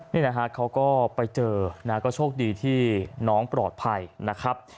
นี่นะฮะเขาก็ไปเจอนะก็โชคดีที่น้องปลอดภัยนะครับ